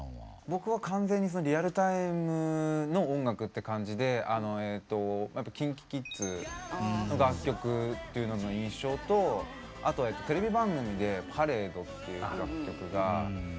僕は完全にリアルタイムの音楽って感じでやっぱＫｉｎＫｉＫｉｄｓの楽曲というのの印象とあとはテレビ番組で「パレード」っていう楽曲が。